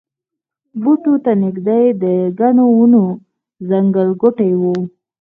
بوټو ته نږدې د ګڼو ونو ځنګلګوټی و.